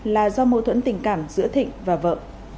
là do mâu thuẫn tình cảm giữa thịnh và vợ